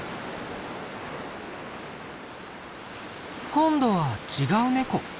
今度は違うネコ。